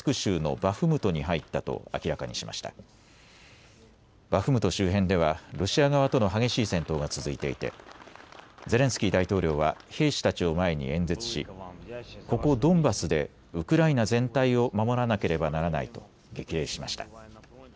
バフムト周辺ではロシア側との激しい戦闘が続いていてゼレンスキー大統領は兵士たちを前に演説しここドンバスでウクライナ全体を守らなければならないと激励しました。